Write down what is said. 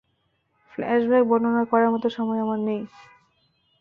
Flashback বর্ণনা করার মতো সময় আমার নেই।